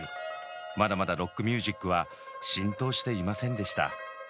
まだまだロックミュージックは浸透していませんでした。